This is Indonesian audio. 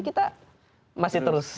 kita masih terus